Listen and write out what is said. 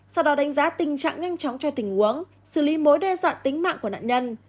sau đó đánh giá tình trạng nhanh chóng cho tình huống xử lý mối đe dọa tính mạng của nạn nhân